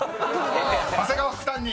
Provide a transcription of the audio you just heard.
［長谷川副担任